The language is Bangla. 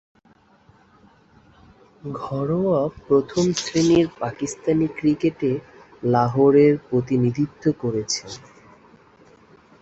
ঘরোয়া প্রথম-শ্রেণীর পাকিস্তানি ক্রিকেটে লাহোরের প্রতিনিধিত্ব করেছেন।